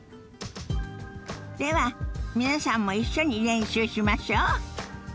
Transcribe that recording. では皆さんも一緒に練習しましょ。